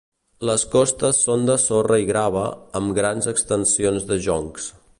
Les costes són de sorra i grava, amb grans extensions de joncs.